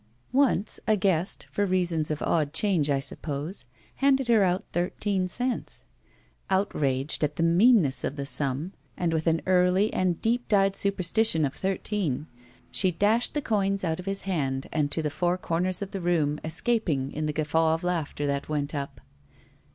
Once a guest, for reasons of odd change, I suppose, handed her out thirteen cents. Outraged, at the meanness of the sum, and with an early and 6i BACK PAY deep dyed superstition of thirteen, she dashed the coins out of his hand and to the four comers of the room, escaping in the guffaw of laughter that went up.